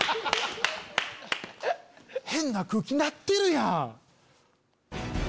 変な空気になってるやん！